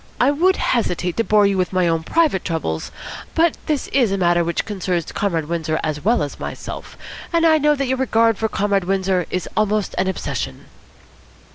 I would hesitate to bore you with my own private troubles, but this is a matter which concerns Comrade Windsor as well as myself, and I know that your regard for Comrade Windsor is almost an obsession."